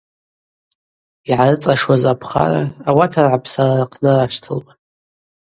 Йгӏарыцӏашуаз апхара ауат ргӏапсара рхънараштылуан.